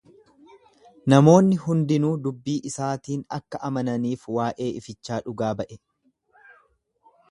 Namoonni hundinuu dubbii isaatiin akka amananiif waa'ee ifichaa dhugaa ba'e.